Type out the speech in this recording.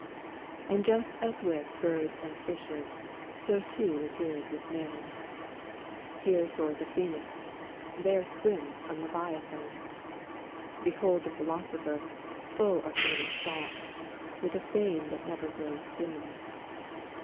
And just as with birds and fishes, so too it is with man; 12 Here soars a phoenix, there swims a leviathan. Behold the philosopher, full of nervous thought, with a fame that never grows dim.